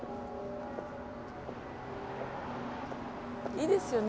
いいですよね